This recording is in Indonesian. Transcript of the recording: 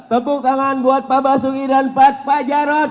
tepuk tangan buat pak basuki dan pak jarod